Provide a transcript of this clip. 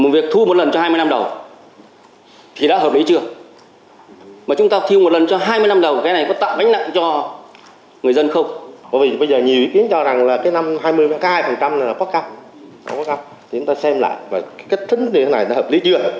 và kết thúc như thế này đã hợp lý chưa